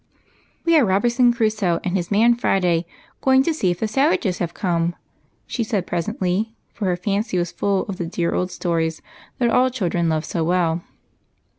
" We are Robinson Crusoe and his man Friday going to see if the savages have come," she said presently, for her fancy was full of the dear old stories that all children love so well.